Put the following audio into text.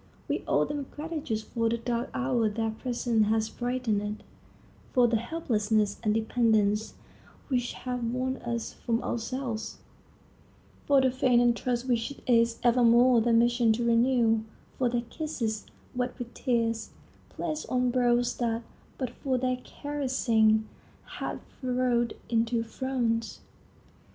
We owe them gratitude for the dark hour their presence has brightened; for the helplessness and dependence which have won us from ourselves; for the faith and trust which it is evermore their mission to renew; for their kisses, wet with tears, placed on brows that, but for their caressing, had furrowed into frowns.